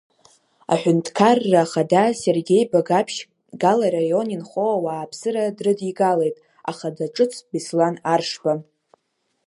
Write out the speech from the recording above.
Аҳәынҭқарра ахада Сергеи Багаԥшь Гал араион инхо ауааԥсыра дрыдигалеит ахада ҿыц Беслан Аршба.